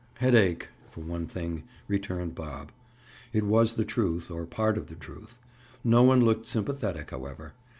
"Headache, for one thing," returned Bob. It was the truth, or part of the truth. No one looked sympathetic, however.